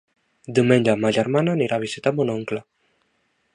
Diumenge ma germana anirà a visitar mon oncle.